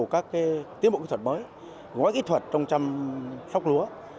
nhiều các tiến bộ kỹ thuật mới gói kỹ thuật trong trăm sóc lúa